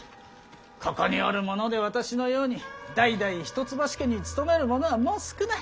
ここにおるもので私のように代々一橋家に勤めるものはもう少ない。